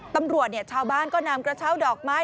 ตำรวจเนี่ยชาวบ้านก็นำกระเช้าดอกไม้